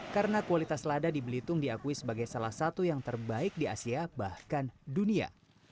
karena kualitas lada di belitung diakui sebagai salah satu yang terbaik di asia bahkan dunia